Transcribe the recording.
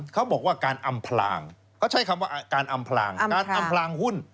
เขาบอกว่าการอำพลางเขาใช้คำว่าการอำพลางการอำพลางหุ้น